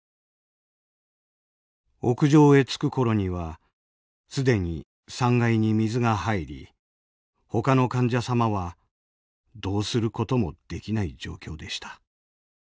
「屋上へ着く頃にはすでに３階に水が入り他の患者様はどうすることもできない状況でした。